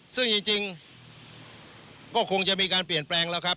ซึ่งจริงก็คงจะมีการเปลี่ยนแปลงแล้วครับ